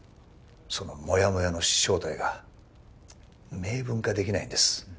そのもやもやの正体が明文化できないんです。